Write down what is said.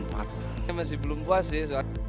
masih belum puas sih